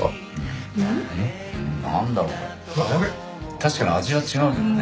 確かに味は違うよね。